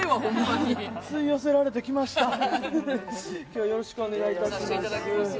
今日はよろしくお願いいたします。